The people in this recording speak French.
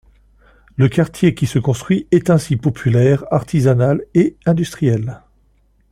Le quartier qui se construit est ainsi populaire, artisanal et industriel.